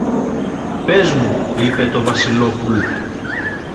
Πες μου, είπε το Βασιλόπουλ